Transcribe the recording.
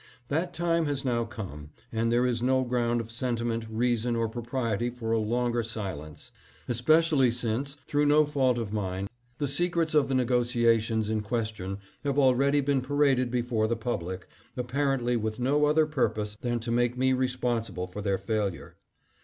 That time has now come, and there is no ground of sentiment, reason, or propriety for a longer 728 THE MOLE ST. NICOLAS. silence, especially since, through no fault of mine, the secrets of the negotiations in question have already been paraded before the public, apparently with no other purpose than to make me responsible for their failure.